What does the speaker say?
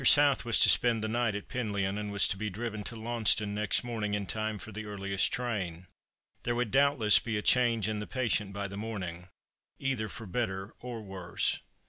South was to spend the night at Penlyon, and was to be driven to Launceston next morning in time for the earliest train. There would doubtless be a change in the patient by the morning, either for better or worse.